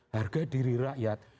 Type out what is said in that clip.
harga diri rakyat